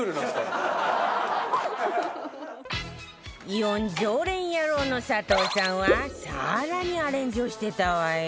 イオン常連ヤロウの佐藤さんは更にアレンジをしてたわよ